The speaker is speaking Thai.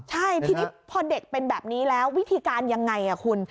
ใช่พอเด็กเป็นแบบนี้แล้ววิธีการอย่างไรคุณ